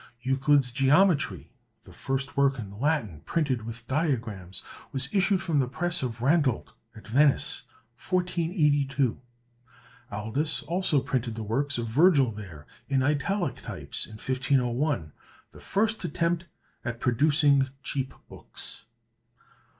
"Euclid's Geometry," the first work in Latin printed with diagrams, was issued from the press of Randolt, at Venice, 1482. Aldus also printed the works of Virgil there, in Italic types, in 1501, the first attempt at producing cheap books.